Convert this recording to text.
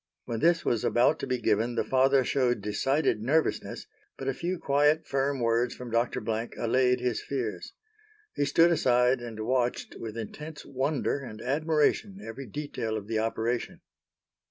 When this was about to be given the father showed decided nervousness, but a few quiet firm words from Dr. Blank allayed his fears. He stood aside and watched with intense wonder and admiration every detail of the operation.